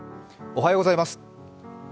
おはようございます。